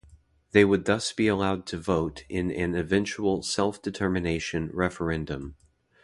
They would thus be allowed to vote in an eventual self-determination referendum.